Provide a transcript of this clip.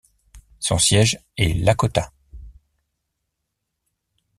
Son siège est Lakota.